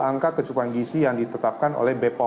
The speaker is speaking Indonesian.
angka kecukupan gisi yang ditetapkan oleh bepom